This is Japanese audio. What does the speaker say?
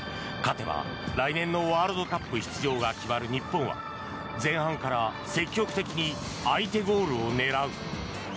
勝てば来年のワールドカップ出場が決まる日本は前半から積極的に相手ゴールを狙う。